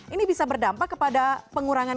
ini bisa berdampak kepada pengurangan